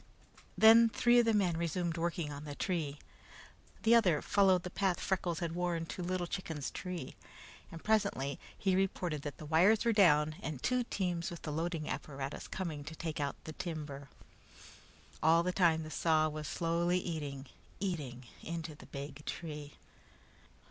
Then three of the men resumed work on the tree. The other followed the path Freckles had worn to Little Chicken's tree, and presently he reported that the wires were down and two teams with the loading apparatus coming to take out the timber. All the time the saw was slowly eating, eating into the big tree.